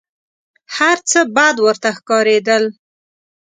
هر څه بد ورته ښکارېدل .